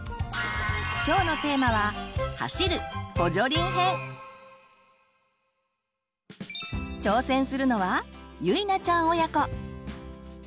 今日のテーマは挑戦するのはゆいなちゃん親子。